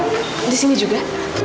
kamu disini juga